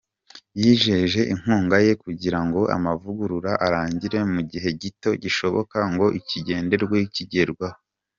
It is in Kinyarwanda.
Yijeje inkunga ye kugira ngo amavugurura arangire mu gihe gito gishoboka ngo ikigendererwa kigerweho.